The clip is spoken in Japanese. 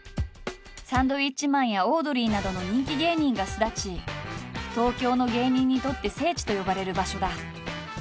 サンドウィッチマンやオードリーなどの人気芸人が巣立ち東京の芸人にとって聖地と呼ばれる場所だ。